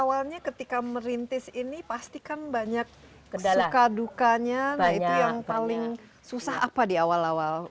awal awalnya ketika merintis ini pasti kan banyak kesukaanku kaya itu yang paling susah apa di awal awal